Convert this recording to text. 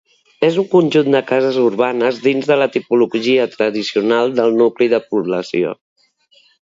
És un conjunt de cases urbanes dins de la tipologia tradicional del nucli de població.